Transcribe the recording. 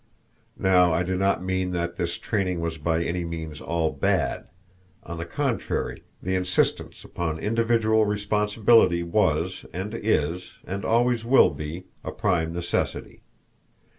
Now I do not mean that this training was by any means all bad. On the contrary, the insistence upon individual responsibility was, and is, and always will be, a prime necessity.